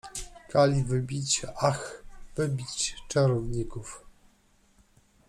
— Kali wybić, ach, wybić czarowników!